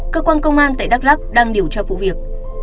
cơ quan công an tại đắk lắc đang điều tra vụ việc